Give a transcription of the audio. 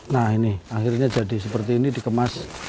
nah ini akhirnya jadi seperti ini dikemas